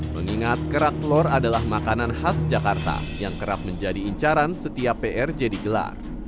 mengingat kerak telur adalah makanan khas jakarta yang kerap menjadi incaran setiap prj digelar